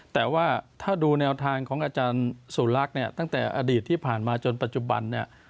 แต่ว่าถ้าดูแนวทางของอาจารย์สุรักษ์เนี่ยตั้งแต่อดีตที่ผ่านมาจนปัจจุบันเนี่ย